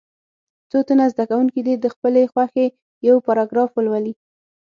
څو تنه زده کوونکي دې د خپلې خوښې یو پاراګراف ولولي.